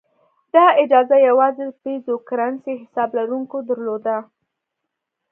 دا اجازه یوازې د پیزو کرنسۍ حساب لرونکو درلوده.